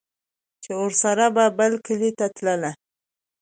چې ورسره به بل کلي ته تلله